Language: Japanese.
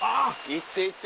行って行って。